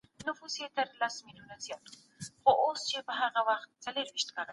د رنګولو دوام حساسیت رامنځته کوي.